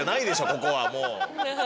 ここはもう。